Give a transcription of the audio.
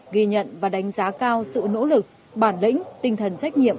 ghi nhận và đánh giá cao sự nỗ lực bản lĩnh tinh thần trách nhiệm